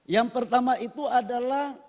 yang pertama itu adalah